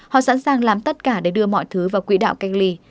họ sẵn sàng làm tất cả để đưa mọi thứ vào quỹ đạo cách ly